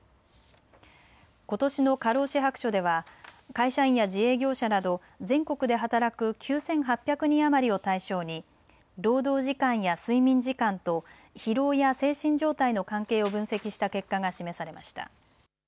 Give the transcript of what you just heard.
ことしの過労死白書では会社員や自営業者など全国で働く９８００人余りを対象に労働時間や睡眠時間と疲労や精神状態の関係を分析した結果が示されました。